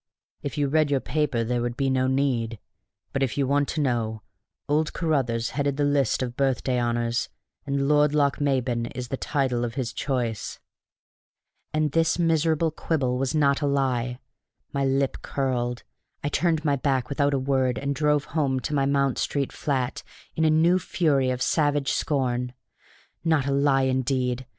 "If you read your paper there would be no need; but if you want to know, old Carruthers headed the list of the Birthday Honors, and Lord Lochmaben is the title of his choice." And this miserable quibble was not a lie! My lip curled, I turned my back without a word, and drove home to my Mount Street flat in a new fury of savage scorn. Not a lie, indeed!